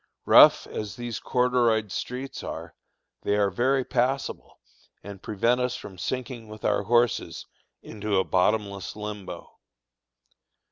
Rough as these corduroyed streets are, they are very passable, and prevent us from sinking with our horses into a bottomless limbo.